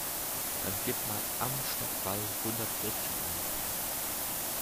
Dann gib mal Am Stadtwall hundertvierzehn ein.